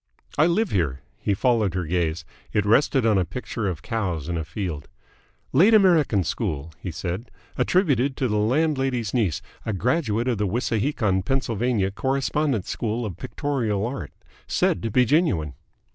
"I live here." He followed her gaze. It rested on a picture of cows in a field. "Late American school," he said. "Attributed to the landlady's niece, a graduate of the Wissahickon, Pa. Correspondence School of Pictorial Art. Said to be genuine."